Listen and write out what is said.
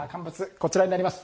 こちらになります。